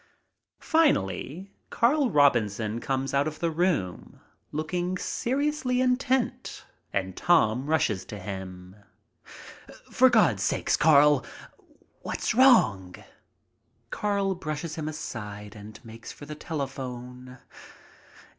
Finally, Carl Robinson comes out of the room, looking seriously intent, and Tom rushes to him, "For God's sake, Carl, what's wrong?" Carl brushes him aside and makes for the telephone.